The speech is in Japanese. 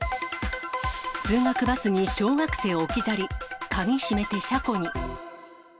通学バスに小学生置き去り、鍵閉めて車庫に。